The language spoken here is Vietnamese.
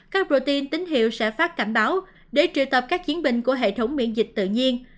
các bộ tin tín hiệu sẽ phát cảnh báo để triệu tập các chiến binh của hệ thống miễn dịch tự nhiên